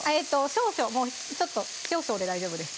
少々ちょっと少々で大丈夫です